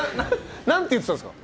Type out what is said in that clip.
何て言ってたんですか？